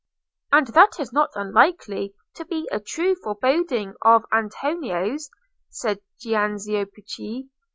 '" "And that is not unlikely to be a true foreboding of Antonio's," said Giannozzo Pucci.